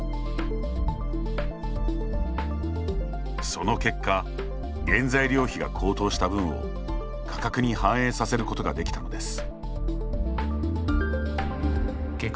その結果原材料費が高騰した分を価格に反映させることができたのです。